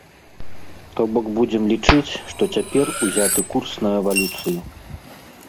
То бок будзем лічыць, што цяпер узяты курс на эвалюцыю.